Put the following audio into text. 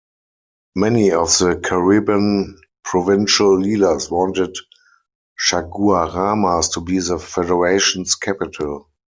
Many of the Caribbean provincial leaders wanted Chaguaramas to be the Federation's capital.